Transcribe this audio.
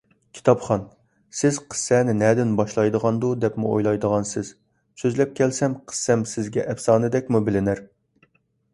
كىتابخان، سىز قىسسەنى نەدىن باشلايدىغاندۇ، دەپمۇ ئويلايدىغانسىز، سۆزلەپ كەلسەم، قىسسەم سىزگە ئەپسانىدەكمۇ بىلىنەر.